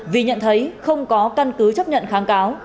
vì nhận thấy không có căn cứ chấp nhận kháng cáo